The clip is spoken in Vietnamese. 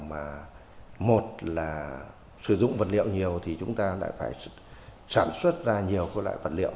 mà một là sử dụng vật liệu nhiều thì chúng ta lại phải sản xuất ra nhiều loại vật liệu